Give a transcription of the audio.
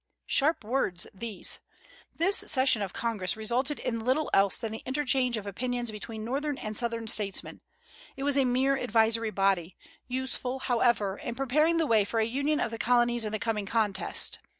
Sharp words these! This session of Congress resulted in little else than the interchange of opinions between Northern and Southern statesmen. It was a mere advisory body, useful, however, in preparing the way for a union of the Colonies in the coming contest.